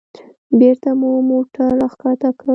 بېرته مو موټر راښکته کړ.